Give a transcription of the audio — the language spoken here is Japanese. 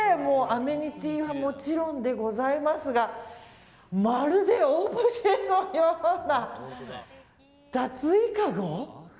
アメニティーはもちろんでございますがまるでオブジェのような脱衣かご。